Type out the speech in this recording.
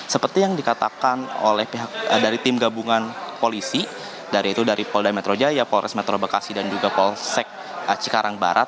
seperti yang dikatakan oleh pihak dari tim gabungan polisi dari itu dari polda metro jaya polres metro bekasi dan juga polsek cikarang barat